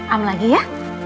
am lagi ya